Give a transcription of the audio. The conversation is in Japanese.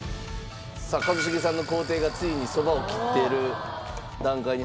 さあ一茂さんの工程がついにそばを切っている段階に入りました。